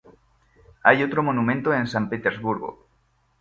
Hay otro monumento en San Petersburgo.